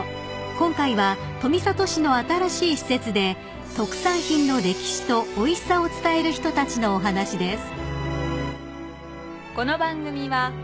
［今回は富里市の新しい施設で特産品の歴史とおいしさを伝える人たちのお話です］